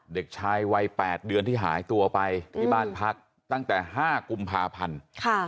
เด็กชายวัย๘เดือนที่หายตัวไปที่บ้านพักตั้งแต่๕กุมภาพันธ์